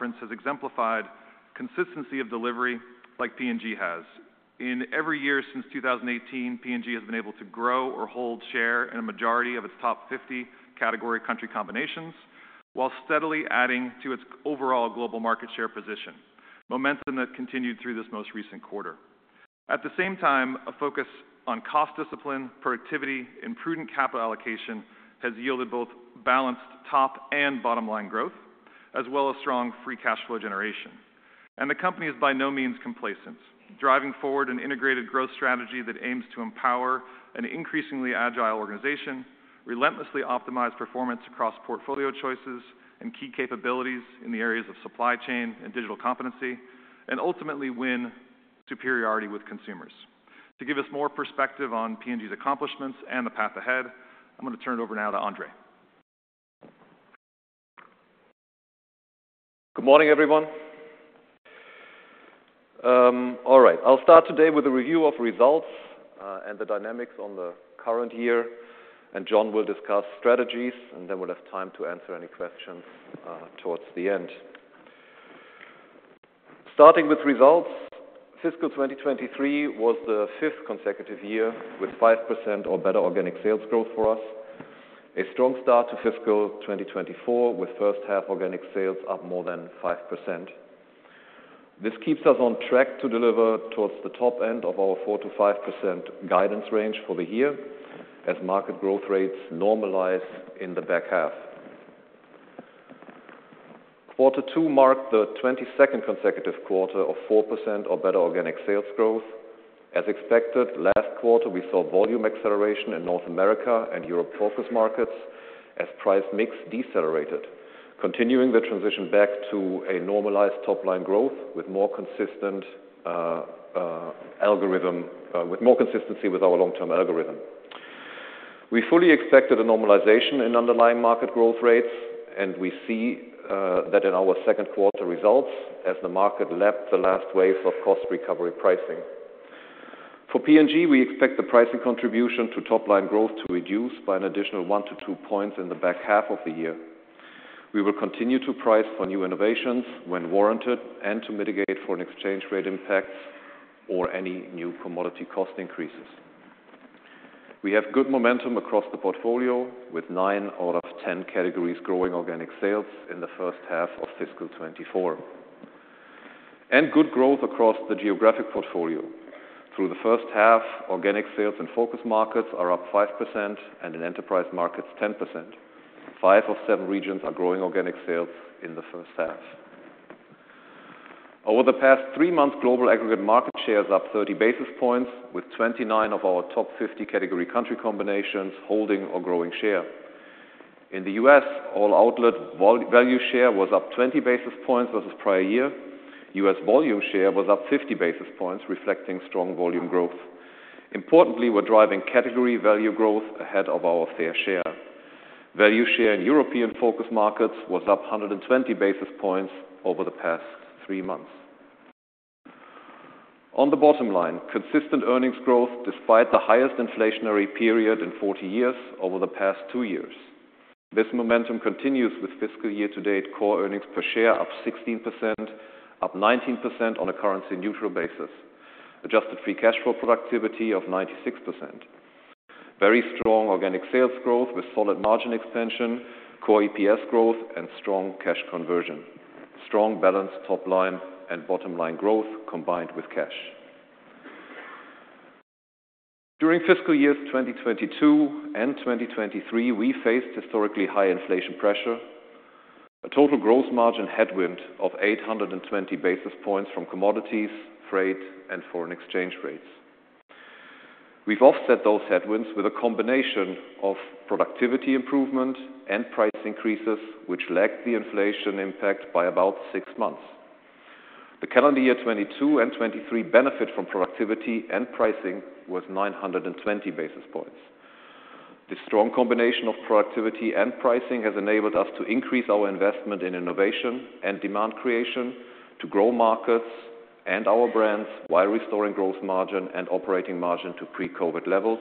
Conference has exemplified consistency of delivery like P&G has. In every year since 2018, P&G has been able to grow or hold share in a majority of its top 50 category country combinations, while steadily adding to its overall global market share position, momentum that continued through this most recent quarter. At the same time, a focus on cost discipline, productivity, and prudent capital allocation has yielded both balanced top and bottom line growth, as well as strong free cash flow generation. And the company is by no means complacent, driving forward an integrated growth strategy that aims to empower an increasingly agile organization, relentlessly optimize performance across portfolio choices and key capabilities in the areas of supply chain and digital competency, and ultimately win superiority with consumers. To give us more perspective on P&G's accomplishments and the path ahead, I'm going to turn it over now to Andre. Good morning, everyone. All right, I'll start today with a review of results, and the dynamics on the current year, and Jon will discuss strategies, and then we'll have time to answer any questions, towards the end. Starting with results, fiscal 2023 was the 5th consecutive year with 5% or better organic sales growth for us, a strong start to fiscal 2024 with H1 organic sales up more than 5%. This keeps us on track to deliver towards the top end of our 4%-5% guidance range for the year as market growth rates normalize in the back half. Q2 marked the 22nd consecutive quarter of 4% or better organic sales growth. As expected, last quarter we saw volume acceleration in North America and Europe Focus Markets as price mix decelerated, continuing the transition back to a normalized top line growth with more consistency with our long-term algorithm. We fully expected a normalization in underlying market growth rates, and we see that in our Q2 results as the market lapped the last waves of cost recovery pricing. For P&G, we expect the pricing contribution to top line growth to reduce by an additional 1-2 points in the back half of the year. We will continue to price for new innovations when warranted and to mitigate foreign exchange rate impacts or any new commodity cost increases. We have good momentum across the portfolio with 9 out of 10 categories growing organic sales in the H1 of fiscal 2024, and good growth across the geographic portfolio. Through the H1, organic sales in focus markets are up 5% and in enterprise markets 10%. 5 of 7 regions are growing organic sales in the H1. Over the past 3 months, global aggregate market share is up 30 basis points with 29 of our top 50 category country combinations holding or growing share. In the U.S., all outlet value share was up 20 basis points versus prior year. U.S. volume share was up 50 basis points, reflecting strong volume growth. Importantly, we're driving category value growth ahead of our fair share. Value share in European Focus Markets was up 120 basis points over the past 3 months. On the bottom line, consistent earnings growth despite the highest inflationary period in 40 years over the past 2 years. This momentum continues with fiscal year-to-date Core Earnings Per Share up 16%, up 19% on a currency-neutral basis, Adjusted Free Cash Flow Productivity of 96%, very strong Organic Sales Growth with solid margin expansion, Core EPS growth, and strong cash conversion, strong balanced top line and bottom line growth combined with cash. During fiscal years 2022 and 2023, we faced historically high inflation pressure, a total gross margin headwind of 820 basis points from commodities, freight, and foreign exchange rates. We've offset those headwinds with a combination of productivity improvement and price increases, which lacked the inflation impact by about 6 months. The calendar year 2022 and 2023 benefit from productivity and pricing with 920 basis points. This strong combination of productivity and pricing has enabled us to increase our investment in innovation and demand creation, to grow markets and our brands while restoring gross margin and operating margin to pre-COVID levels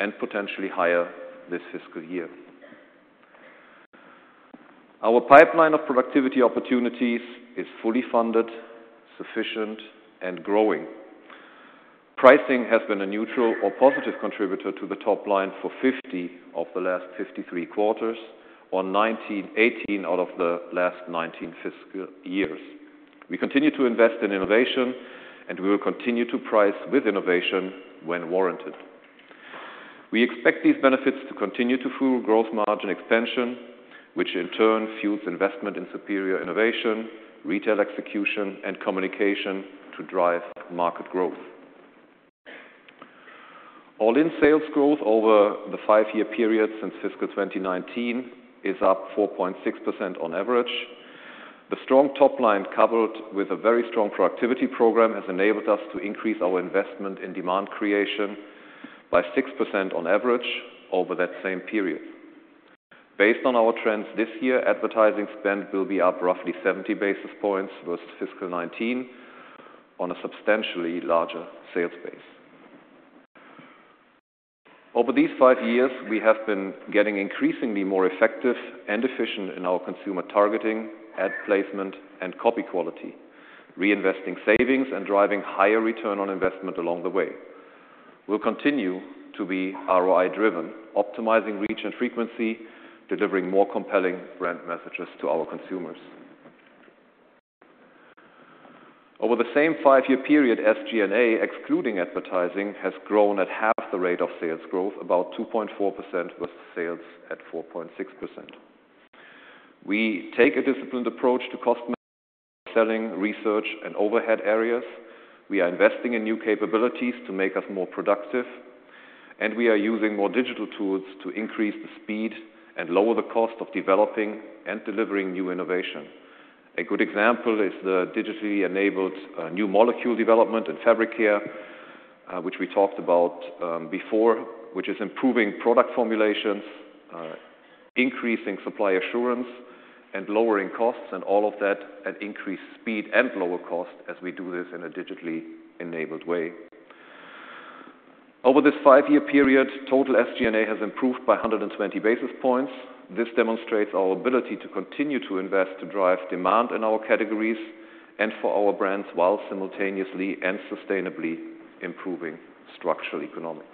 and potentially higher this fiscal year. Our pipeline of productivity opportunities is fully funded, sufficient, and growing. Pricing has been a neutral or positive contributor to the top line for 50 of the last 53 quarters or 19, 18 out of the last 19 fiscal years. We continue to invest in innovation, and we will continue to price with innovation when warranted. We expect these benefits to continue to fuel gross margin expansion, which in turn fuels investment in superior innovation, retail execution, and communication to drive market growth. All-in sales growth over the 5-year period since fiscal 2019 is up 4.6% on average. The strong top line coupled with a very strong productivity program has enabled us to increase our investment in demand creation by 6% on average over that same period. Based on our trends this year, advertising spend will be up roughly 70 basis points versus fiscal 2019 on a substantially larger sales base. Over these 5 years, we have been getting increasingly more effective and efficient in our consumer targeting, ad placement, and copy quality, reinvesting savings and driving higher return on investment along the way. We'll continue to be ROI-driven, optimizing reach and frequency, delivering more compelling brand messages to our consumers. Over the same 5-year period, SG&A excluding advertising has grown at half the rate of sales growth, about 2.4% versus sales at 4.6%. We take a disciplined approach to cost, selling, research, and overhead areas. We are investing in new capabilities to make us more productive, and we are using more digital tools to increase the speed and lower the cost of developing and delivering new innovation. A good example is the digitally enabled, new molecule development in fabric care, which we talked about, before, which is improving product formulations, increasing supply assurance, and lowering costs, and all of that at increased speed and lower cost as we do this in a digitally enabled way. Over this 5-year period, total SG&A has improved by 120 basis points. This demonstrates our ability to continue to invest to drive demand in our categories and for our brands while simultaneously and sustainably improving structural economics.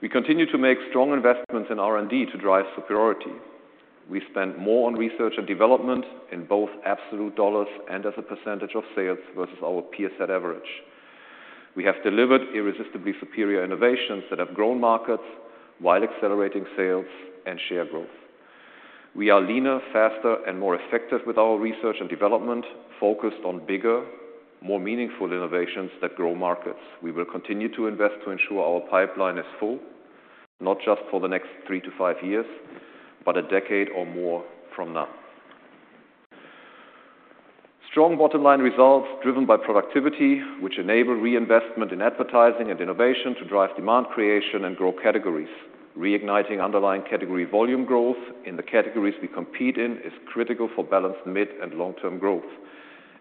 We continue to make strong investments in R&D to drive superiority. We spend more on research and development in both absolute dollars and as a percentage of sales versus our peer set average. We have delivered irresistibly superior innovations that have grown markets while accelerating sales and share growth. We are leaner, faster, and more effective with our research and development focused on bigger, more meaningful innovations that grow markets. We will continue to invest to ensure our pipeline is full, not just for the next 3-5 years, but a decade or more from now. Strong bottom line results driven by productivity, which enable reinvestment in advertising and innovation to drive demand creation and grow categories, reigniting underlying category volume growth in the categories we compete in is critical for balanced mid- and long-term growth,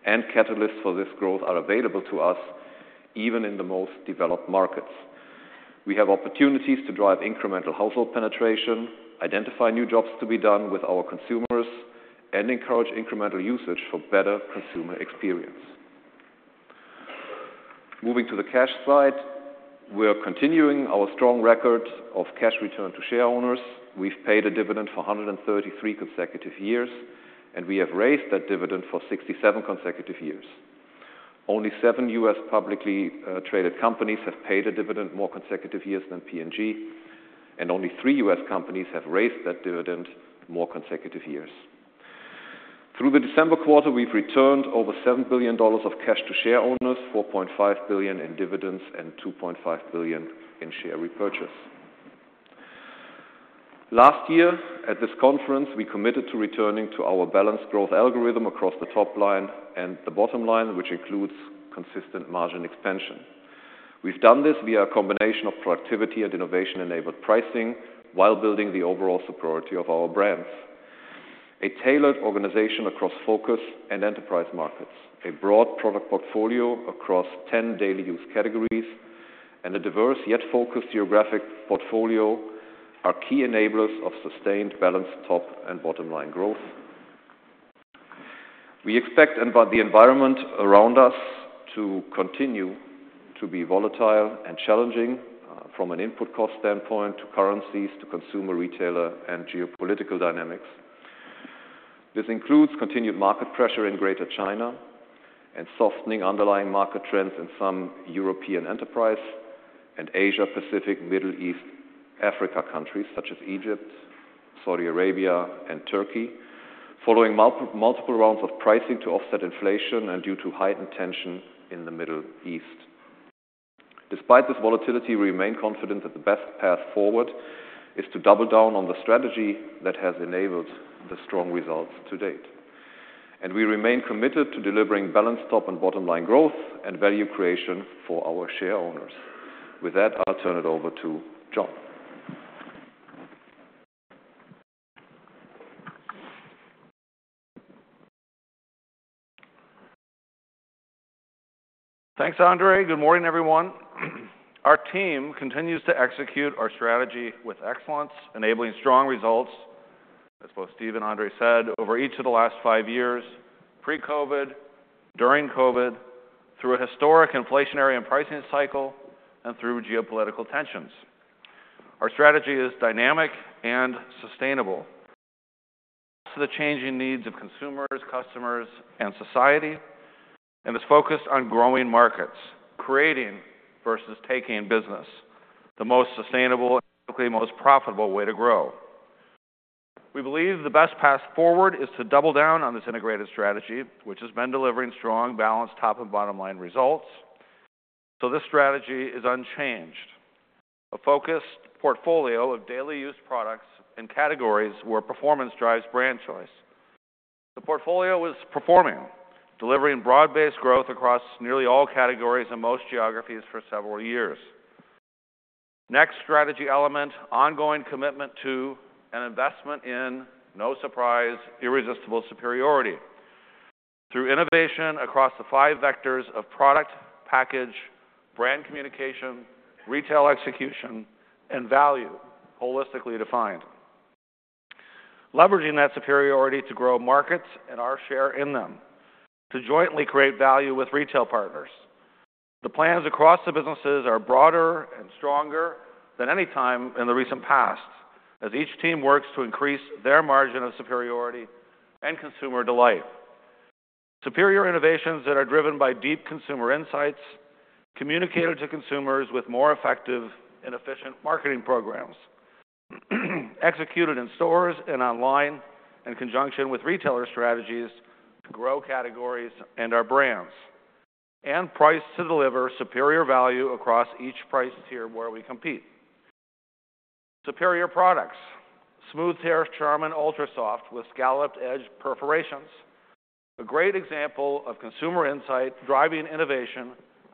and catalysts for this growth are available to us even in the most developed markets. We have opportunities to drive incremental household penetration, identify new jobs to be done with our consumers, and encourage incremental usage for better consumer experience. Moving to the cash side, we're continuing our strong record of cash return to shareholders. We've paid a dividend for 133 consecutive years, and we have raised that dividend for 67 consecutive years. Only 7 U.S. publicly traded companies have paid a dividend more consecutive years than P&G, and only 3 U.S. companies have raised that dividend more consecutive years. Through the December quarter, we've returned over $7 billion of cash to shareholders, $4.5 billion in dividends, and $2.5 billion in share repurchase. Last year, at this conference, we committed to returning to our balanced growth algorithm across the top line and the bottom line, which includes consistent margin expansion. We've done this via a combination of productivity and innovation-enabled pricing while building the overall superiority of our brands, a tailored organization across Focus Markets and Enterprise Markets, a broad product portfolio across 10 daily use categories, and a diverse yet focused geographic portfolio are key enablers of sustained balanced top and bottom line growth. We expect and but the environment around us to continue to be volatile and challenging, from an input cost standpoint to currencies to consumer retailer and geopolitical dynamics. This includes continued market pressure in Greater China and softening underlying market trends in some European Enterprise and Asia-Pacific, Middle East, Africa countries such as Egypt, Saudi Arabia, and Turkey, following multiple rounds of pricing to offset inflation and due to heightened tension in the Middle East. Despite this volatility, we remain confident that the best path forward is to double down on the strategy that has enabled the strong results to date. We remain committed to delivering balanced top and bottom line growth and value creation for our shareholders. With that, I'll turn it over to Jon. Thanks, Andre. Good morning, everyone. Our team continues to execute our strategy with excellence, enabling strong results, as both Steve and Andre said, over each of the last 5 years, pre-COVID, during COVID, through a historic inflationary and pricing cycle, and through geopolitical tensions. Our strategy is dynamic and sustainable, adds to the changing needs of consumers, customers, and society, and is focused on growing markets, creating versus taking business, the most sustainable and typically most profitable way to grow. We believe the best path forward is to double down on this integrated strategy, which has been delivering strong balanced top and bottom line results. So this strategy is unchanged, a focused portfolio of daily use products and categories where performance drives brand choice. The portfolio is performing, delivering broad-based growth across nearly all categories in most geographies for several years. Next strategy element, ongoing commitment to an investment in, no surprise, irresistible superiority through innovation across the 5 vectors of product, package, brand communication, retail execution, and value, holistically defined, leveraging that superiority to grow markets and our share in them, to jointly create value with retail partners. The plans across the businesses are broader and stronger than any time in the recent past as each team works to increase their margin of superiority and consumer delight, superior innovations that are driven by deep consumer insights, communicated to consumers with more effective and efficient marketing programs, executed in stores and online in conjunction with retailer strategies to grow categories and our brands, and priced to deliver superior value across each price tier where we compete. Superior products, Charmin Ultra Soft Smooth Tear with scalloped edge perforations, a great example of consumer insight driving innovation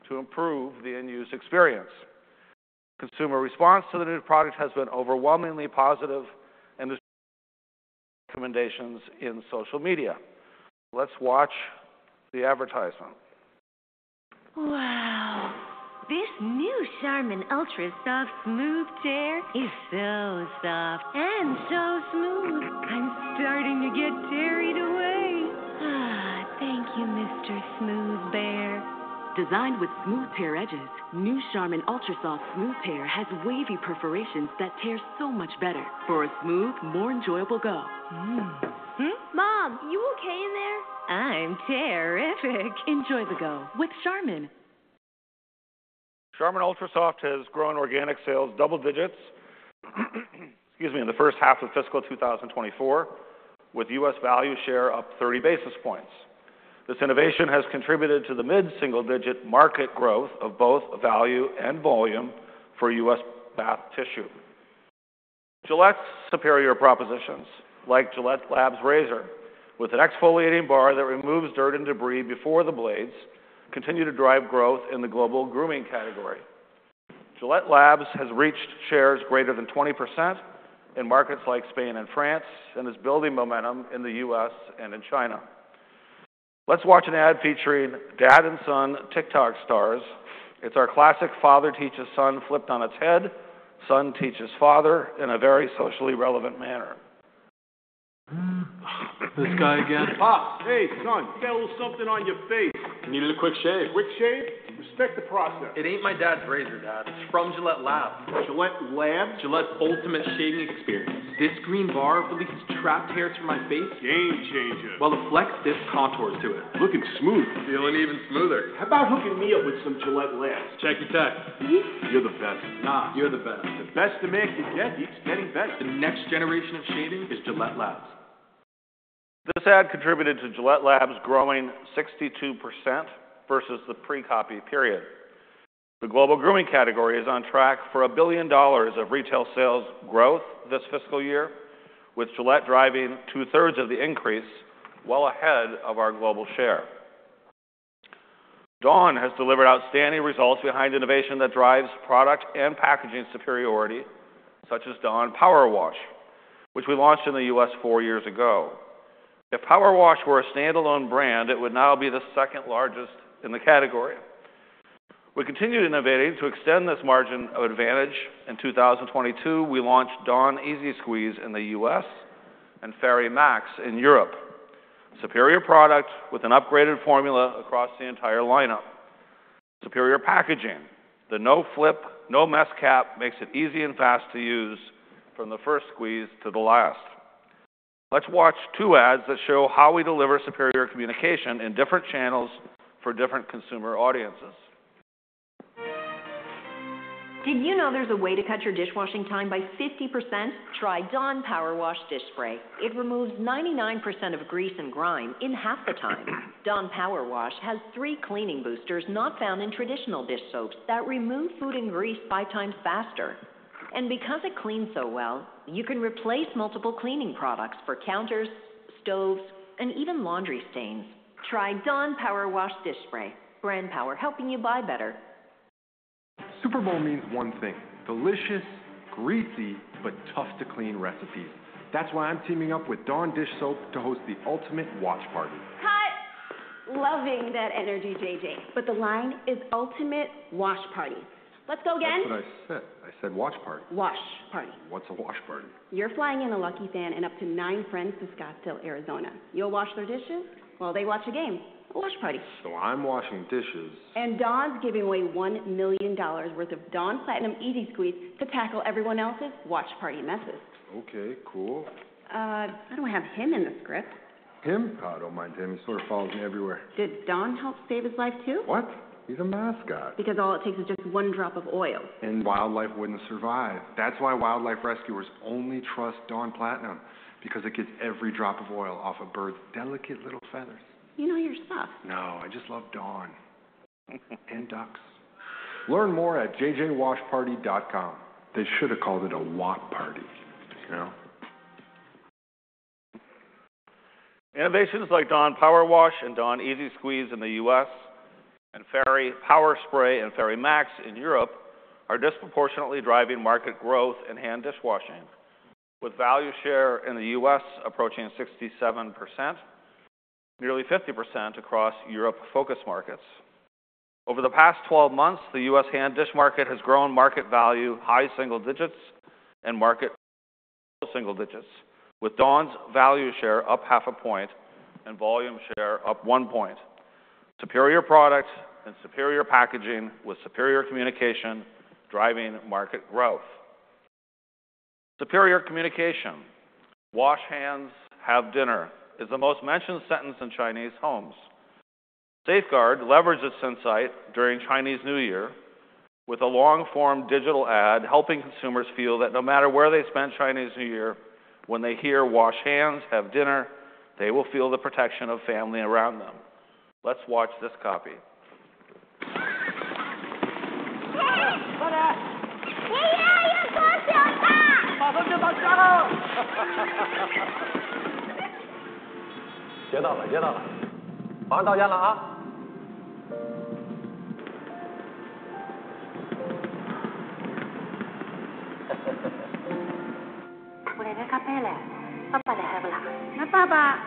to improve the end-use experience. Consumer response to the new product has been overwhelmingly positive and recommendations in social media. Let's watch the advertisement. Wow. This new Charmin Ultra Soft Smooth Tear is so soft and so smooth. I'm starting to get carried away. Thank you, Mr. Smooth Bear. Designed with smooth tear edges, new Charmin Ultra Soft Smooth Tear has wavy perforations that tear so much better for a smooth, more enjoyable go. Hm? Mom, you okay in there? I'm terrific. Enjoy the go with Charmin. Charmin Ultra Soft has grown organic sales double digits, excuse me, in the H1 of fiscal 2024 with U.S. value share up 30 basis points. This innovation has contributed to the mid-single digit market growth of both value and volume for U.S. bath tissue. Gillette's superior propositions, like GilletteLabs Razor with an exfoliating bar that removes dirt and debris before the blades, continue to drive growth in the global grooming category. GilletteLabs has reached shares greater than 20% in markets like Spain and France and is building momentum in the U.S. and in China. Let's watch an ad featuring dad and son TikTok stars. It's our classic father-teaches-son flipped on its head, son-teaches-father, in a very socially relevant manner. This guy again. Hey, son. You got a little something on your face. I needed a quick shave. Quick shave? Respect the process. It ain't my dad's razor, Dad. It's from GilletteLabs. GilletteLabs? Gillette's ultimate shaving experience. This green bar releases trapped hairs from my face. Game changer. While it flexed its contours to it. Looking smooth. Feeling even smoother. How about hooking me up with some GilletteLabs? Check your tech. You're the best. Nah, you're the best. The best make you get keeps getting better. The next generation of shaving is GilletteLabs. This ad contributed to GilletteLabs growing 62% versus the pre-copy period. The global grooming category is on track for $1 billion of retail sales growth this fiscal year, with Gillette driving 2/3 of the increase, well ahead of our global share. Dawn has delivered outstanding results behind innovation that drives product and packaging superiority, such as Dawn Powerwash, which we launched in the U.S. 4 years ago. If Powerwash were a standalone brand, it would now be the second largest in the category. We continued innovating to extend this margin of advantage. In 2022, we launched Dawn EZ-Squeeze in the U.S. and Fairy Max in Europe, superior product with an upgraded formula across the entire lineup, superior packaging. The no flip, no mess cap makes it easy and fast to use from the first squeeze to the last. Let's watch two ads that show how we deliver superior communication in different channels for different consumer audiences. Did you know there's a way to cut your dishwashing time by 50%? Try Dawn Powerwash dish spray. It removes 99% of grease and grime in half the time. Dawn Powerwash has 3 cleaning boosters not found in traditional dish soaps that remove food and grease 5x faster. And because it cleans so well, you can replace multiple cleaning products for counters, stoves, and even laundry stains. Try Dawn Powerwash dish spray, brand power helping you buy better. Super Bowl means one thing: delicious, greasy, but tough-to-clean recipes. That's why I'm teaming up with Dawn Dish Soap to host the ultimate wash party. Cut. Loving that energy, JJ. But the line is ultimate wash party. Let's go again? That's what I said. I said wash party. Wash party. What's a wash party? You're flying in a lucky fan and up to 9 friends to Scottsdale, Arizona. You'll wash their dishes while they watch a game, a wash party. I'm washing dishes. Dawn's giving away $1 million worth of Dawn Platinum EZ-Squeeze to tackle everyone else's wash party messes. Okay, cool. I don't have him in the script. Him? I don't mind him. He sort of follows me everywhere. Did Dawn help save his life too? What? He's a mascot. Because all it takes is just one drop of oil. Wildlife wouldn't survive. That's why wildlife rescuers only trust Dawn Platinum, because it gets every drop of oil off a bird's delicate little feathers. You know your stuff. No, I just love Dawn and ducks. Learn more at jjwashparty.com. They should have called it a Watt party, you know? Innovations like Dawn Powerwash and Dawn EZ-Squeeze in the US and Fairy Power Spray and Fairy Max in Europe are disproportionately driving market growth in hand dishwashing, with value share in the US approaching 67%, nearly 50% across Europe Focused Markets. Over the past 12 months, the US hand dish market has grown market value high single digits and market single digits, with Dawn's value share up half a point and volume share up one point. Superior product and superior packaging with superior communication driving market growth. Superior communication, "Wash hands, have dinner," is the most mentioned sentence in Chinese homes. Safeguard leverages its insight during Chinese New Year with a long-form digital ad helping consumers feel that no matter where they spend Chinese New Year, when they hear "Wash hands, have dinner," they will feel the protection of family around them. Let's watch this copy. 我来的刚回来，爸爸来喝了。来爸爸。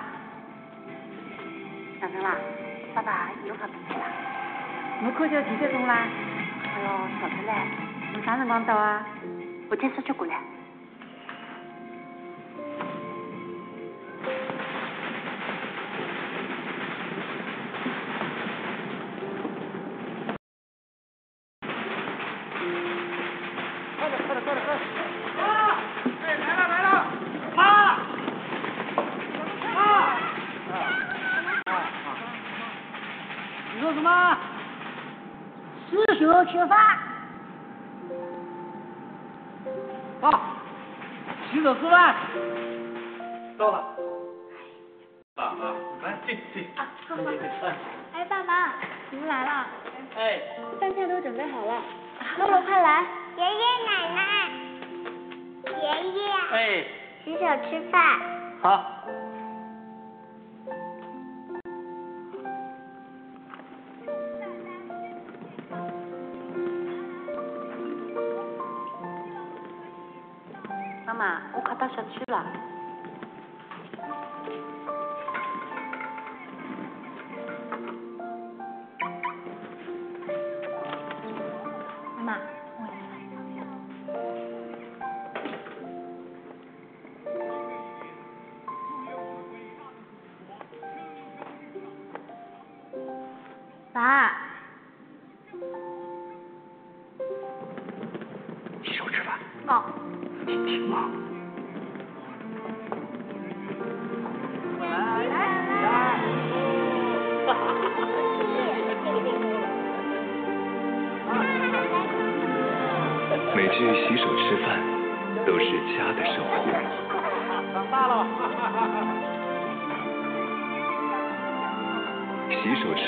嫂子啦，爸爸有好东西啦。你们过去要几点钟啦？ 我要上车嘞，你们三人光到啊。我先出去估嘞。快点快点快点快点。妈！ 哎，来了来了。妈！ 妈！ 你说什么？ 四九七八。爸！洗手吃饭！ 到了。爸妈，你们来，进进。啊，坐坐坐。哎爸妈，你们来了。哎。饭菜都准备好了。啊。乐乐快来。爷爷奶奶！爷爷！ 哎。洗手吃饭。好。爸爸身体健康，平时常来我们这里吃东西，希望你可以吃到。妈妈，我快到小区了。妈妈，快来，快来。妈妈，我来了。妈妈，我来了。今天已经成为了我们伟大的祖国，生生日长，昌旺荣耀。爸！ 祖国这么多这么多。洗手吃饭。哦。你挺忙的。我是中国人员。来来来，来！ 来！ 哈哈哈，爷爷，你还逗我够多了。妈妈来了。每句洗手吃饭都是家的守护。长大了吧，哈哈哈。洗手吃饭，健康过年。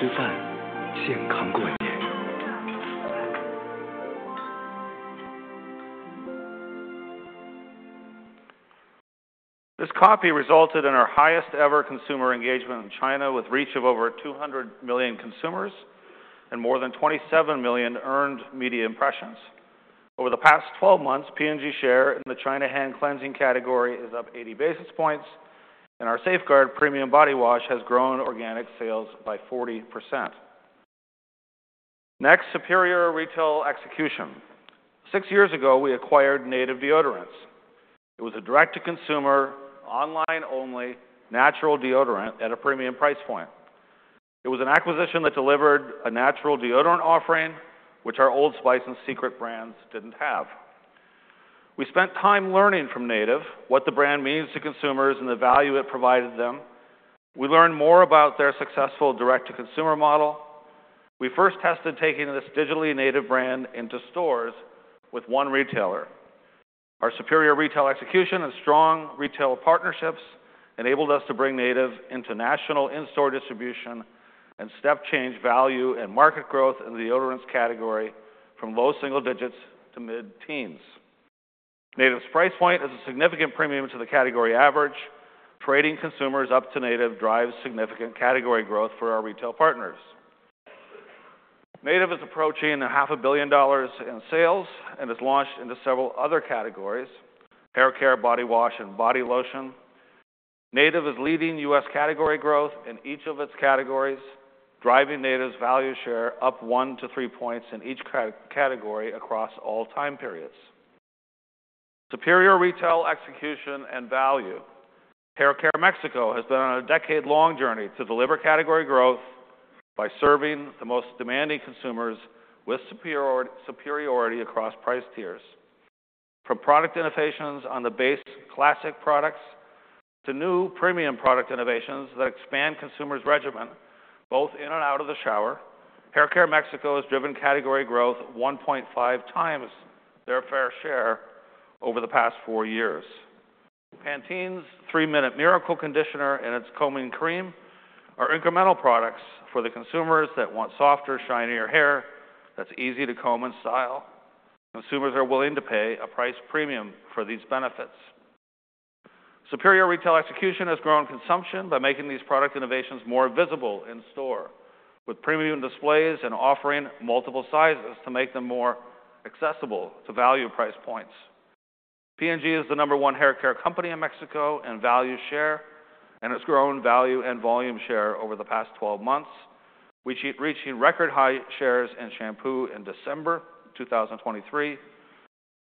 This copy resulted in our highest-ever consumer engagement in China, with reach of over 200 million consumers and more than 27 million earned media impressions. Over the past 12 months, P&G share in the China hand cleansing category is up 80 basis points, and our Safeguard premium body wash has grown organic sales by 40%. Next, superior retail execution. 6 years ago, we acquired Native Deodorants. It was a direct-to-consumer, online-only, natural deodorant at a premium price point. It was an acquisition that delivered a natural deodorant offering which our Old Spice and Secret brands didn't have. We spent time learning from Native what the brand means to consumers and the value it provided them. We learned more about their successful direct-to-consumer model. We first tested taking this digitally Native brand into stores with 1 retailer. Our superior retail execution and strong retail partnerships enabled us to bring Native into national in-store distribution and step-change value and market growth in the deodorants category from low single digits to mid-teens. Native's price point is a significant premium to the category average. Trading consumers up to Native drives significant category growth for our retail partners. Native is approaching $500 million in sales and has launched into several other categories: hair care, body wash, and body lotion. Native is leading U.S. category growth in each of its categories, driving Native's value share up 1-3 points in each category across all time periods. Superior retail execution and value. Hair Care Mexico has been on a decade-long journey to deliver category growth by serving the most demanding consumers with superiority across price tiers. From product innovations on the base classic products to new premium product innovations that expand consumers' regimen both in and out of the shower, Hair Care Mexico has driven category growth 1.5 times their fair share over the past 4 years. Pantene's 3 Minute Miracle Conditioner and its Combing Cream are incremental products for the consumers that want softer, shinier hair that's easy to comb and style. Consumers are willing to pay a price premium for these benefits. Superior retail execution has grown consumption by making these product innovations more visible in store with premium displays and offering multiple sizes to make them more accessible to value price points. P&G is the number 1 hair care company in Mexico in value share, and it's grown value and volume share over the past 12 months, reaching record high shares in shampoo in December 2023.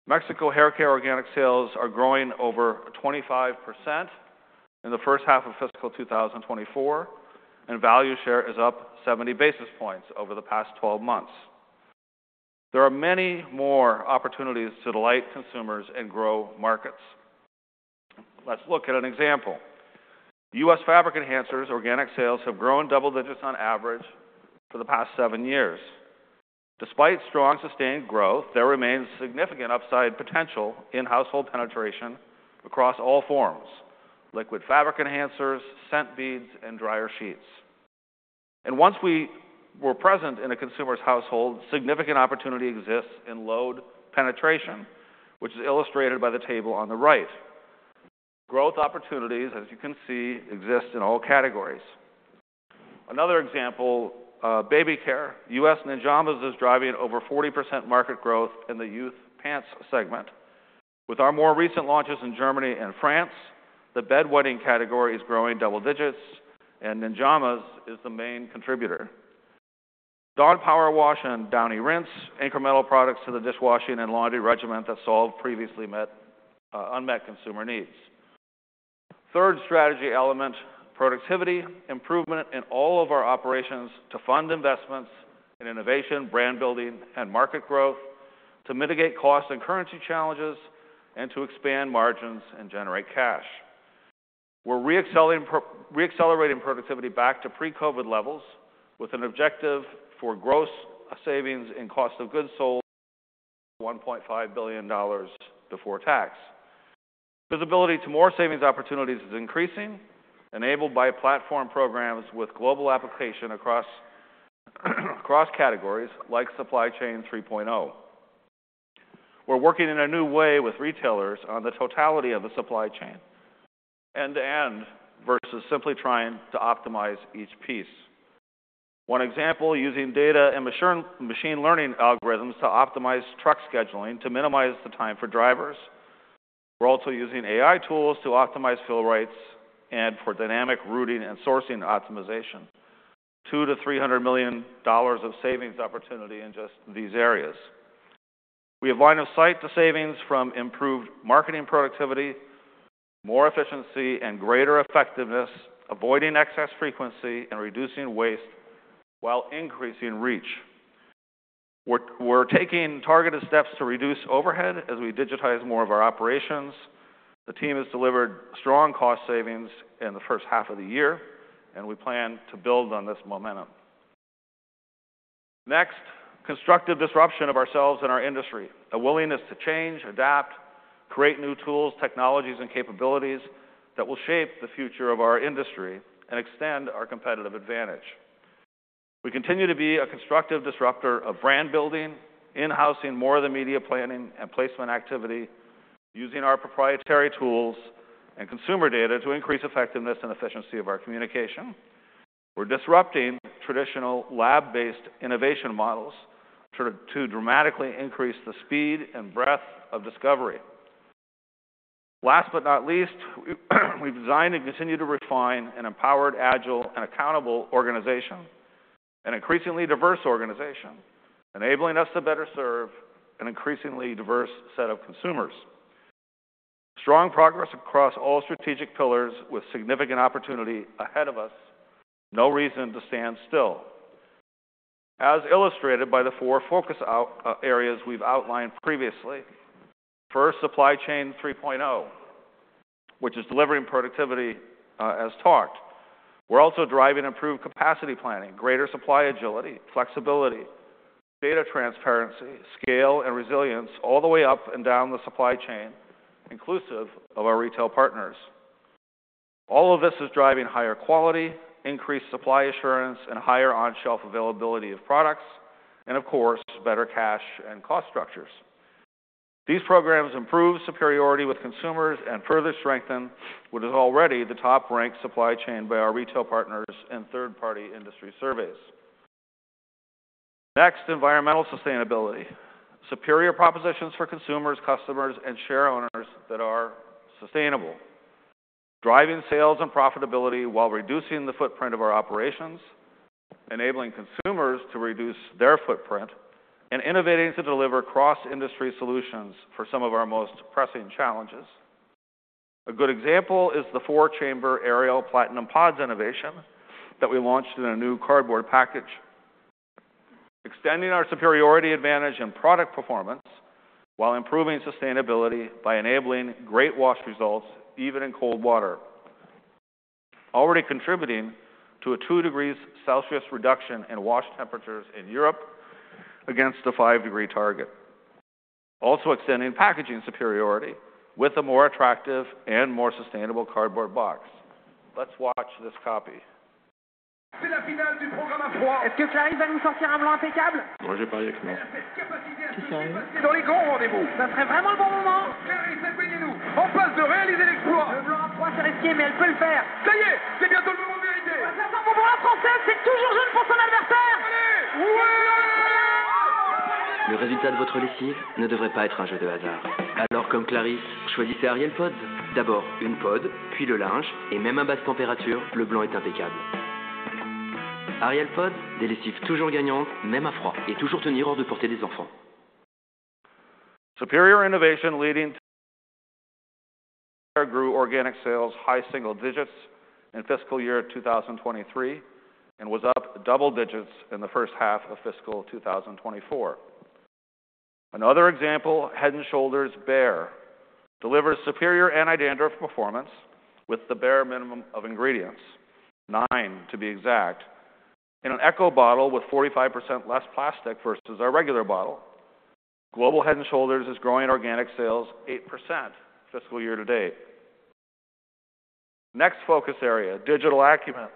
Mexico hair care organic sales are growing over 25% in the H1 of fiscal 2024, and value share is up 70 basis points over the past 12 months. There are many more opportunities to delight consumers and grow markets. Let's look at an example. U.S. fabric enhancers organic sales have grown double digits on average for the past 7 years. Despite strong sustained growth, there remains significant upside potential in household penetration across all forms: liquid fabric enhancers, scent beads, and dryer sheets. Once we were present in a consumer's household, significant opportunity exists in load penetration, which is illustrated by the table on the right. Growth opportunities, as you can see, exist in all categories. Another example, baby care. U.S. Ninjamas is driving over 40% market growth in the youth pants segment. With our more recent launches in Germany and France, the bedwetting category is growing double digits, and Ninjamas is the main contributor. Dawn Powerwash and Downy Rinse incremental products to the dishwashing and laundry regimen that solve previously met unmet consumer needs. Third strategy element, productivity, improvement in all of our operations to fund investments in innovation, brand building, and market growth, to mitigate cost and currency challenges, and to expand margins and generate cash. We're reaccelerating productivity back to pre-COVID levels with an objective for gross savings in cost of goods sold $1.5 billion before tax. Visibility to more savings opportunities is increasing, enabled by platform programs with global application across categories like Supply Chain 3.0. We're working in a new way with retailers on the totality of the supply chain, end-to-end, versus simply trying to optimize each piece. One example, using data and machine learning algorithms to optimize truck scheduling to minimize the time for drivers. We're also using AI tools to optimize fill rights and for dynamic routing and sourcing optimization. $200 million-$300 million of savings opportunity in just these areas. We have line of sight to savings from improved marketing productivity, more efficiency, and greater effectiveness, avoiding excess frequency and reducing waste while increasing reach. We're taking targeted steps to reduce overhead as we digitize more of our operations. The team has delivered strong cost savings in the H1 of the year, and we plan to build on this momentum. Next, constructive disruption of ourselves and our industry, a willingness to change, adapt, create new tools, technologies, and capabilities that will shape the future of our industry and extend our competitive advantage. We continue to be a constructive disruptor of brand building, in-housing more of the media planning and placement activity, using our proprietary tools and consumer data to increase effectiveness and efficiency of our communication. We're disrupting traditional lab-based innovation models to dramatically increase the speed and breadth of discovery. Last but not least, we've designed and continue to refine an empowered, agile, and accountable organization, an increasingly diverse organization, enabling us to better serve an increasingly diverse set of consumers. Strong progress across all strategic pillars with significant opportunity ahead of us, no reason to stand still. As illustrated by the 4 focus areas we've outlined previously, first, Supply Chain 3.0, which is delivering productivity as talked. We're also driving improved capacity planning, greater supply agility, flexibility, data transparency, scale, and resilience all the way up and down the supply chain, inclusive of our retail partners. All of this is driving higher quality, increased supply assurance, and higher on-shelf availability of products, and of course, better cash and cost structures. These programs improve superiority with consumers and further strengthen what is already the top-ranked supply chain by our retail partners and third-party industry surveys. Next, environmental sustainability, superior propositions for consumers, customers, and share owners that are sustainable, driving sales and profitability while reducing the footprint of our operations, enabling consumers to reduce their footprint, and innovating to deliver cross-industry solutions for some of our most pressing challenges. A good example is the 4-chamber Ariel Platinum Pods innovation that we launched in a new cardboard package, extending our superiority advantage in product performance while improving sustainability by enabling great wash results even in cold water, already contributing to a 2 degrees Celsius reduction in wash temperatures in Europe against a 5-degree target, also extending packaging superiority with a more attractive and more sustainable cardboard box. Let's watch this copy. C'est la finale du programme à froid. Est-ce que Clarisse va nous sortir un blanc impeccable? Non, j'ai parié que non. Elle a cette capacité à se laisser passer dans les grands rendez-vous. Ça serait vraiment le bon moment. Clarisse, éloignez-nous. On passe de réaliser l'exploit. Le blanc à froid, c'est risqué, mais elle peut le faire. Ça y est, c'est bientôt le moment de vérité. On va se la faire boboler en français, c'est toujours jeune pour son adversaire. Allez, ouais! Le résultat de votre lessive ne devrait pas être un jeu de hasard. Alors, comme Clarisse, choisissez Ariel Pods. D'abord une pod, puis le linge, et même à basse température, le blanc est impeccable. Ariel Pods, des lessives toujours gagnantes, même à froid, et toujours tenir hors de portée des enfants. Superior innovation leading to grew organic sales high single digits in fiscal year 2023 and was up double digits in the H1 of fiscal 2024. Another example, Head & Shoulders Bare, delivers superior anti-dandruff performance with the bare minimum of ingredients, 9 to be exact, in an Eco bottle with 45% less plastic versus our regular bottle. Global Head & Shoulders is growing organic sales 8% fiscal year to date. Next focus area, digital acumen,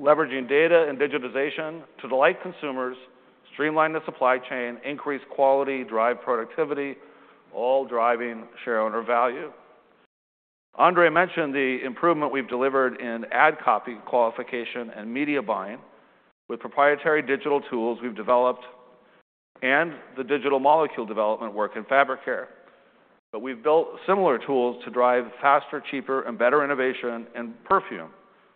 leveraging data and digitization to delight consumers, streamline the supply chain, increase quality, drive productivity, all driving shareholder value. Andre mentioned the improvement we've delivered in ad copy qualification and media buying with proprietary digital tools we've developed and the digital molecule development work in fabric care. But we've built similar tools to drive faster, cheaper, and better innovation in perfume,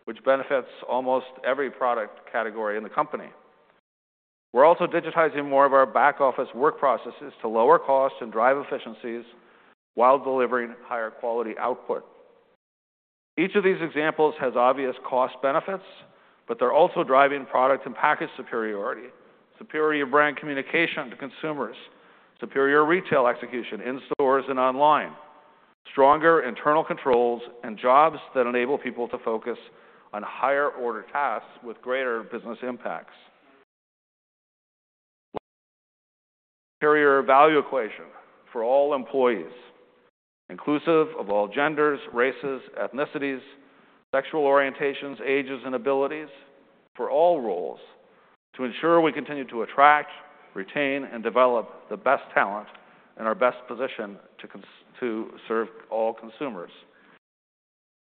which benefits almost every product category in the company. We're also digitizing more of our back office work processes to lower cost and drive efficiencies while delivering higher quality output. Each of these examples has obvious cost benefits, but they're also driving product and package superiority, superior brand communication to consumers, superior retail execution in stores and online, stronger internal controls, and jobs that enable people to focus on higher order tasks with greater business impacts. Superior value equation for all employees, inclusive of all genders, races, ethnicities, sexual orientations, ages, and abilities for all roles, to ensure we continue to attract, retain, and develop the best talent in our best position to serve all consumers.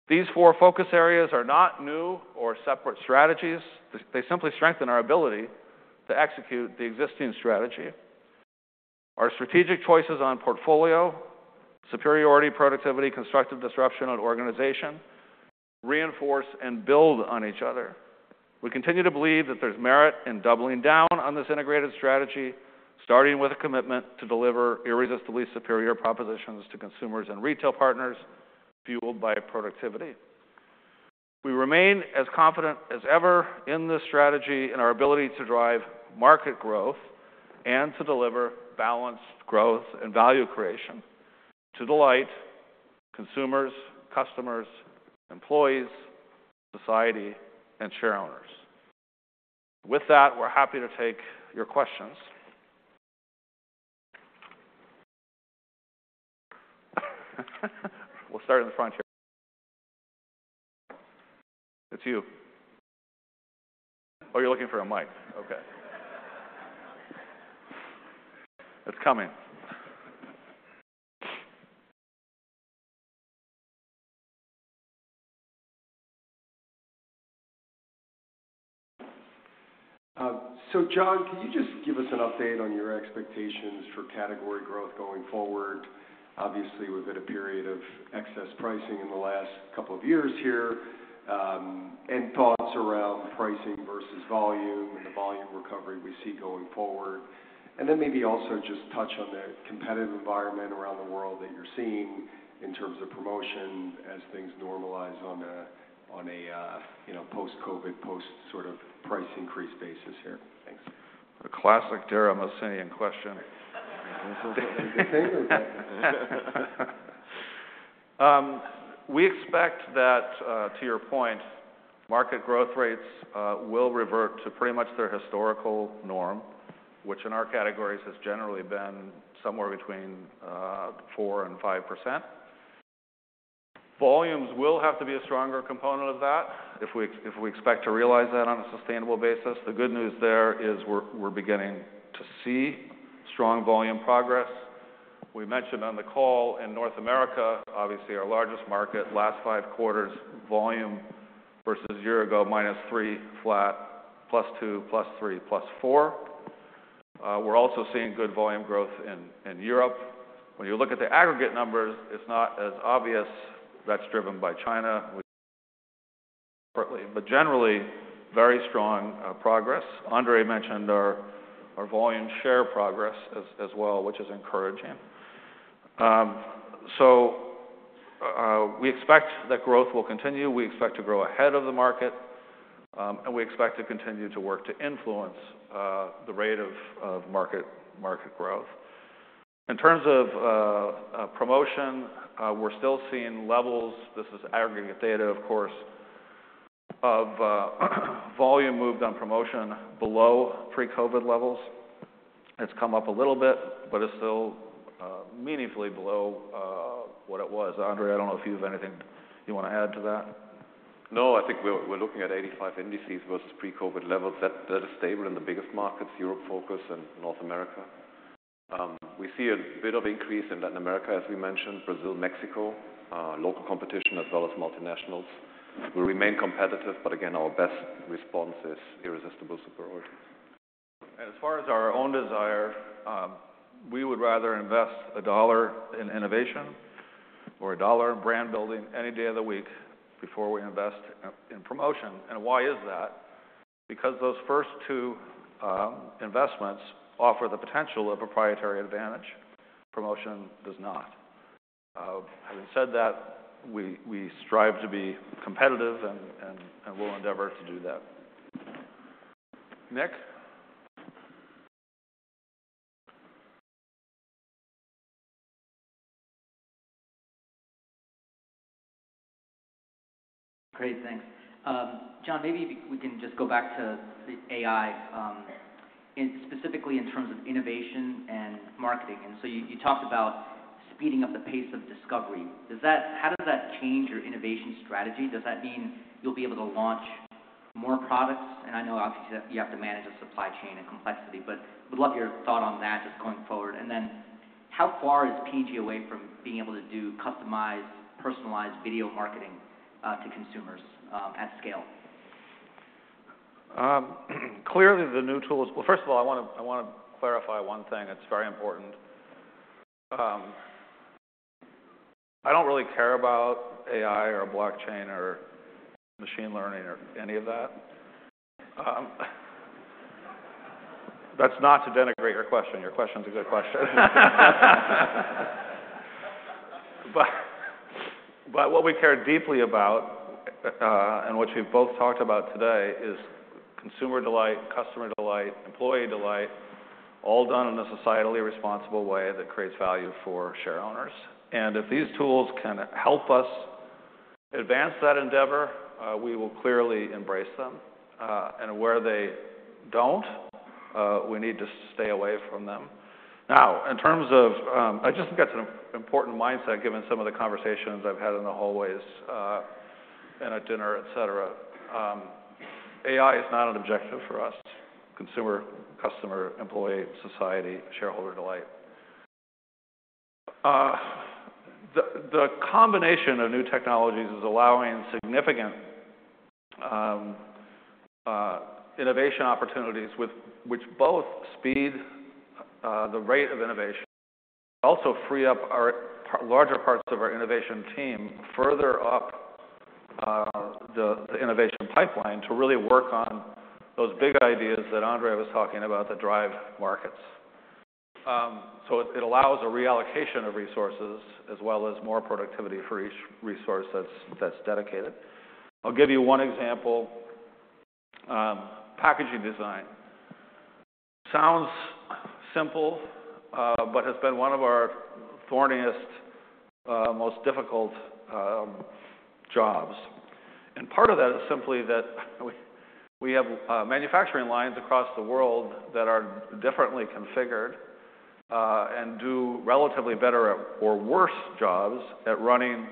These 4 focus areas are not new or separate strategies. They simply strengthen our ability to execute the existing strategy. Our strategic choices on portfolio, superiority, productivity, constructive disruption on organization reinforce and build on each other. We continue to believe that there's merit in doubling down on this integrated strategy, starting with a commitment to deliver irresistibly superior propositions to consumers and retail partners fueled by productivity. We remain as confident as ever in this strategy and our ability to drive market growth and to deliver balanced growth and value creation to delight consumers, customers, employees, society, and share owners. With that, we're happy to take your questions. We'll start in the front here. It's you. Oh, you're looking for a mic. Okay. It's coming. So, Jon, can you just give us an update on your expectations for category growth going forward? Obviously, we've had a period of excess pricing in the last couple of years here, and thoughts around pricing versus volume and the volume recovery we see going forward. And then maybe also just touch on the competitive environment around the world that you're seeing in terms of promotion as things normalize on a post-COVID, post-sort of price increase basis here. Thanks. A classic Dara Mohsenian question. This is a good thing or is that? We expect that, to your point, market growth rates will revert to pretty much their historical norm, which in our categories has generally been somewhere between 4%-5%. Volumes will have to be a stronger component of that if we expect to realize that on a sustainable basis. The good news there is we're beginning to see strong volume progress. We mentioned on the call in North America, obviously our largest market, last 5 quarters volume versus a year ago -3%, flat, +2%, +3%, +4%. We're also seeing good volume growth in Europe. When you look at the aggregate numbers, it's not as obvious that's driven by China separately, but generally very strong progress. Andre mentioned our volume share progress as well, which is encouraging. So we expect that growth will continue. We expect to grow ahead of the market, and we expect to continue to work to influence the rate of market growth. In terms of promotion, we're still seeing levels (this is aggregate data, of course) of volume moved on promotion below pre-COVID levels. It's come up a little bit, but it's still meaningfully below what it was. Andre, I don't know if you have anything you want to add to that. No, I think we're looking at 85 indices versus pre-COVID levels. That is stable in the biggest markets, Europe, Focus and North America. We see a bit of increase in Latin America, as we mentioned, Brazil, Mexico, local competition as well as multinationals. We'll remain competitive, but again, our best response is irresistible superiority. As far as our own desire, we would rather invest a dollar in innovation or a dollar in brand building any day of the week before we invest in promotion. Why is that? Because those first two investments offer the potential of proprietary advantage. Promotion does not. Having said that, we strive to be competitive and will endeavor to do that. Nick? Great, thanks. Jon, maybe we can just go back to the AI, specifically in terms of innovation and marketing. So you talked about speeding up the pace of discovery. How does that change your innovation strategy? Does that mean you'll be able to launch more products? And I know, obviously, you have to manage a supply chain and complexity, but would love your thought on that just going forward. And then how far is P&G away from being able to do customized, personalized video marketing to consumers at scale? Clearly, the new tools, well, first of all, I want to clarify one thing that's very important. I don't really care about AI or blockchain or machine learning or any of that. That's not to denigrate your question. Your question's a good question. But what we care deeply about, and which we've both talked about today, is consumer delight, customer delight, employee delight, all done in a societally responsible way that creates value for share owners. And if these tools can help us advance that endeavor, we will clearly embrace them. And where they don't, we need to stay away from them. Now, in terms of, I just think that's an important mindset given some of the conversations I've had in the hallways and at dinner, etc. AI is not an objective for us: consumer, customer, employee, society, shareholder delight. The combination of new technologies is allowing significant innovation opportunities, which both speed the rate of innovation, also free up larger parts of our innovation team further up the innovation pipeline to really work on those big ideas that Andre was talking about that drive markets. So it allows a reallocation of resources as well as more productivity for each resource that's dedicated. I'll give you one example: packaging design. Sounds simple, but has been one of our thorniest, most difficult jobs. And part of that is simply that we have manufacturing lines across the world that are differently configured and do relatively better or worse jobs at running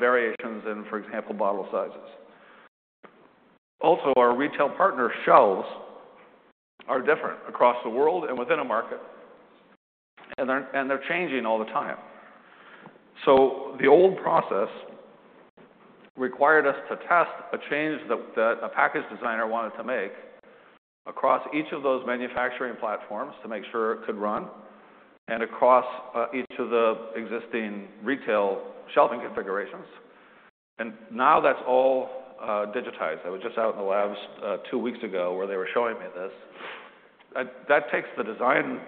variations in, for example, bottle sizes. Also, our retail partner shelves are different across the world and within a market, and they're changing all the time. So the old process required us to test a change that a package designer wanted to make across each of those manufacturing platforms to make sure it could run and across each of the existing retail shelving configurations. And now that's all digitized. I was just out in the labs 2 weeks ago where they were showing me this. That takes the design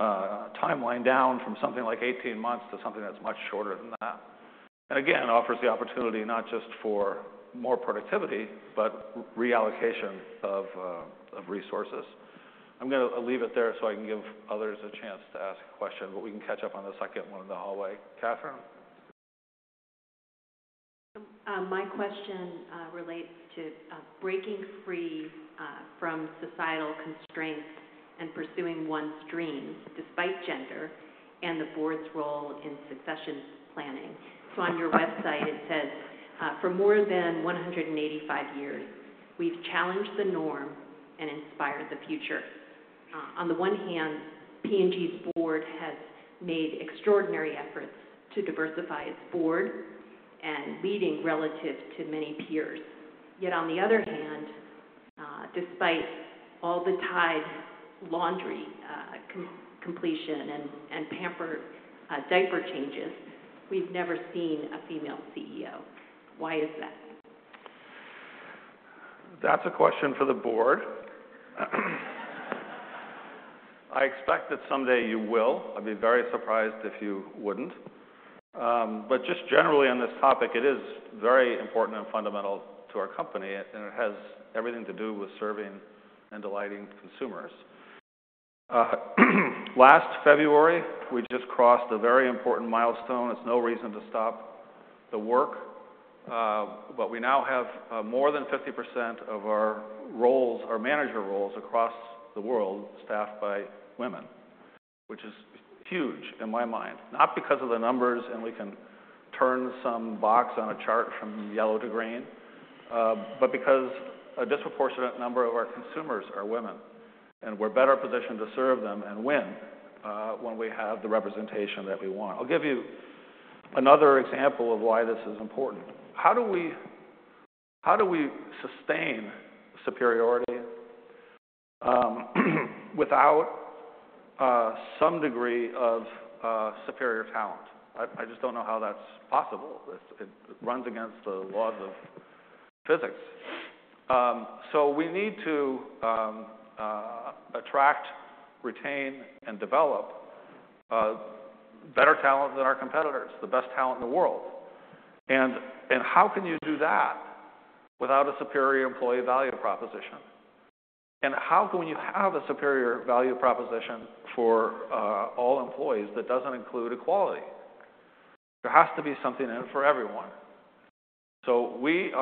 timeline down from something like 18 months to something that's much shorter than that. And again, offers the opportunity not just for more productivity but reallocation of resources. I'm going to leave it there so I can give others a chance to ask a question, but we can catch up on the second one in the hallway. Catherine? My question relates to breaking free from societal constraints and pursuing one's dreams despite gender and the board's role in succession planning. So on your website, it says, "For more than 185 years, we've challenged the norm and inspired the future." On the one hand, P&G's board has made extraordinary efforts to diversify its board and leading relative to many peers. Yet on the other hand, despite all the Tide laundry competition and diaper changes, we've never seen a female CEO. Why is that? That's a question for the board. I expect that someday you will. I'd be very surprised if you wouldn't. But just generally on this topic, it is very important and fundamental to our company, and it has everything to do with serving and delighting consumers. Last February, we just crossed a very important milestone. It's no reason to stop the work. But we now have more than 50% of our manager roles across the world staffed by women, which is huge in my mind, not because of the numbers and we can turn some box on a chart from yellow to green, but because a disproportionate number of our consumers are women. And we're better positioned to serve them and win when we have the representation that we want. I'll give you another example of why this is important. How do we sustain superiority without some degree of superior talent? I just don't know how that's possible. It runs against the laws of physics. So we need to attract, retain, and develop better talent than our competitors, the best talent in the world. And how can you do that without a superior employee value proposition? And how can you have a superior value proposition for all employees that doesn't include equality? There has to be something in it for everyone. So we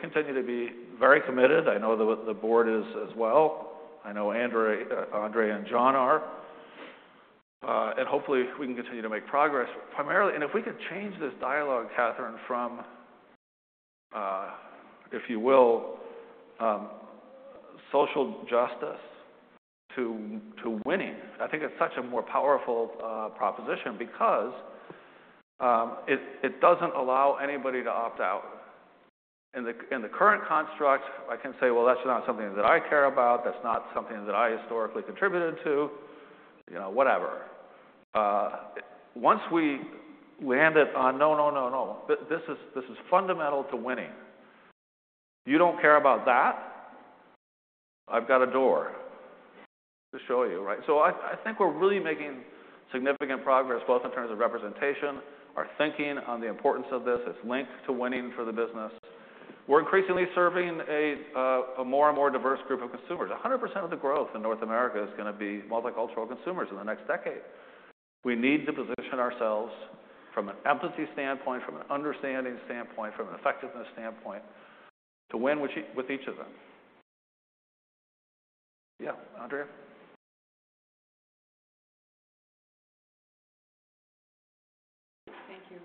continue to be very committed. I know the board is as well. I know Andre and Jon are. And hopefully, we can continue to make progress. And if we could change this dialogue, Catherine, from, if you will, social justice to winning, I think it's such a more powerful proposition because it doesn't allow anybody to opt out. In the current construct, I can say, "Well, that's not something that I care about. That's not something that I historically contributed to." Whatever. Once we land it on, "No, no, no, no. This is fundamental to winning. You don't care about that? I've got a door to show you." Right? So I think we're really making significant progress both in terms of representation, our thinking on the importance of this, its link to winning for the business. We're increasingly serving a more and more diverse group of consumers. 100% of the growth in North America is going to be multicultural consumers in the next decade. We need to position ourselves from an empathy standpoint, from an understanding standpoint, from an effectiveness standpoint to win with each of them. Yeah, Andre? Thank you.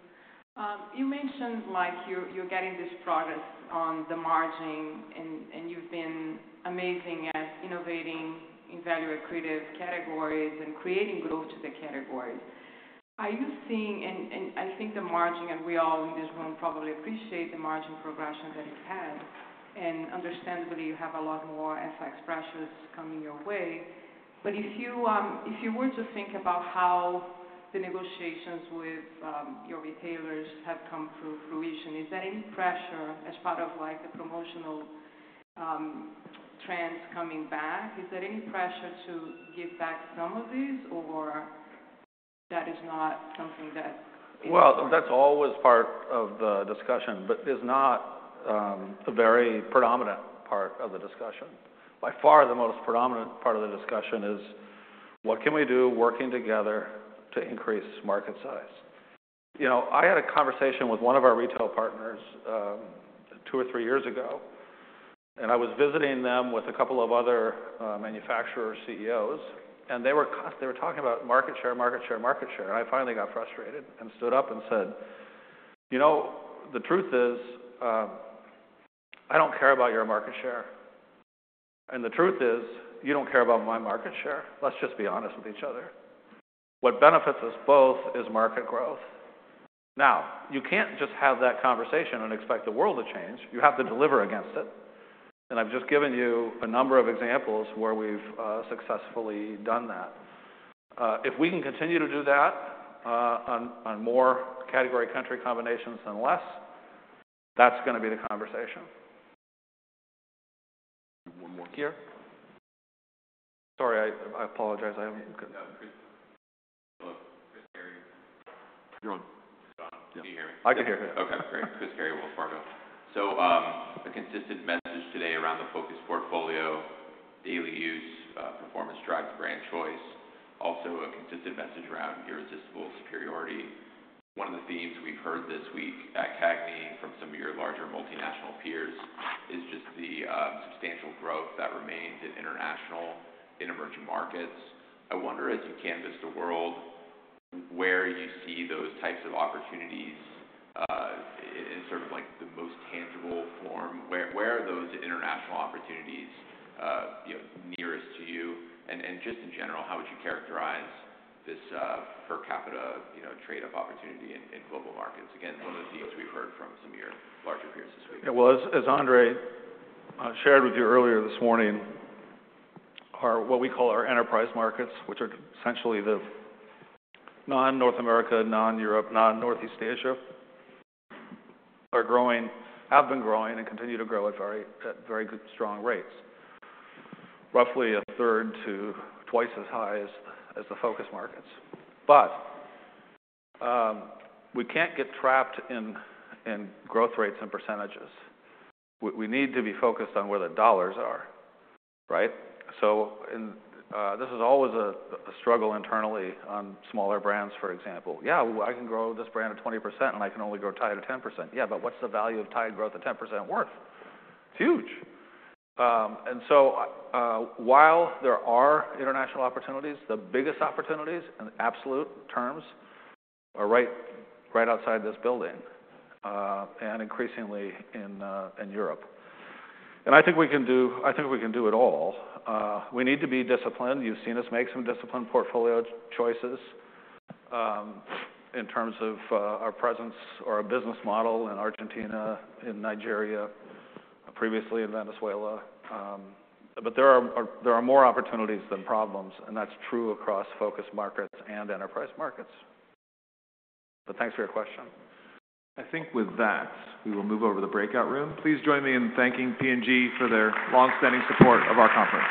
You mentioned, Mike, you're getting this progress on the margin, and you've been amazing at innovating in value and creative categories and creating growth to the categories. Are you seeing, and I think the margin, and we all in this room probably appreciate the margin progression that you've had, and understandably, you have a lot more FX pressures coming your way. But if you were to think about how the negotiations with your retailers have come to fruition, is there any pressure as part of the promotional trends coming back? Is there any pressure to give back some of these, or that is not something that is? Well, that's always part of the discussion, but is not a very predominant part of the discussion. By far, the most predominant part of the discussion is, "What can we do working together to increase market size?" I had a conversation with one of our retail partners 2 or 3 years ago, and I was visiting them with a couple of other manufacturer CEOs, and they were talking about market share, market share, market share. And I finally got frustrated and stood up and said, "The truth is, I don't care about your market share. And the truth is, you don't care about my market share. Let's just be honest with each other. What benefits us both is market growth." Now, you can't just have that conversation and expect the world to change. You have to deliver against it. I've just given you a number of examples where we've successfully done that. If we can continue to do that on more category country combinations than less, that's going to be the conversation. One more. Here? Sorry, I apologize. I haven't. No, Chris. Hello. Chris Carey. You're on. John, can you hear me? I can hear you. Okay, great. Chris Carey, Wells Fargo. So a consistent message today around the focus portfolio, daily use, performance drives brand choice, also a consistent message around irresistible superiority. One of the themes we've heard this week at CAGNY from some of your larger multinational peers is just the substantial growth that remains in international, in emerging markets. I wonder, as you canvass the world, where you see those types of opportunities in sort of the most tangible form. Where are those international opportunities nearest to you? And just in general, how would you characterize this per capita trade-off opportunity in global markets? Again, one of the themes we've heard from some of your larger peers this week. Yeah, well, as Andre shared with you earlier this morning, what we call our enterprise markets, which are essentially the non-North America, non-Europe, non-Northeast Asia, have been growing and continue to grow at very strong rates, roughly a third to 2x as high as the focus markets. But we can't get trapped in growth rates and percentages. We need to be focused on where the dollars are. Right? So this is always a struggle internally on smaller brands, for example. Yeah, I can grow this brand at 20%, and I can only grow Tide at 10%. Yeah, but what's the value of Tide growth at 10% worth? It's huge. And so while there are international opportunities, the biggest opportunities in absolute terms are right outside this building and increasingly in Europe. And I think we can do I think we can do it all. We need to be disciplined. You've seen us make some disciplined portfolio choices in terms of our presence or our business model in Argentina, in Nigeria, previously in Venezuela. But there are more opportunities than problems, and that's true across Focus Markets and Enterprise Markets. But thanks for your question. I think with that, we will move over to the breakout room. Please join me in thanking P&G for their longstanding support of our conference.